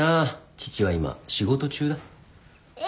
父は今仕事中だ。え！